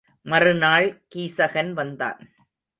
மறுநாள் கீசகன் வந்தான்.